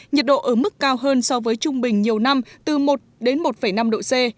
nhiệt độ ở mức cao hơn so với trung bình nhiều năm từ một đến một năm độ c